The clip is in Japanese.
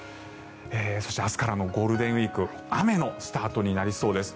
そして明日からのゴールデンウィーク雨のスタートになりそうです。